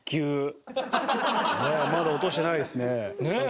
ねえまだ落としてないですね。